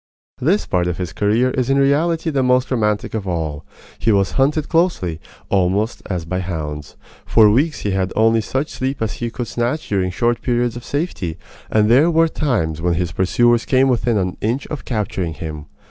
This part of his career is in reality the most romantic of all. He was hunted closely, almost as by hounds. For weeks he had only such sleep as he could snatch during short periods of safety, and there were times when his pursuers came within an inch of capturing him.